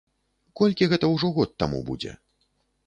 Колькі гэта ўжо год таму будзе?